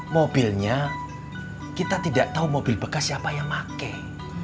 mobilnya kita tidak tahu mobil bekas siapa yang pakai